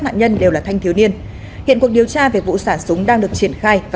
nạn nhân đều là thanh thiếu niên hiện cuộc điều tra về vụ xả súng đang được triển khai và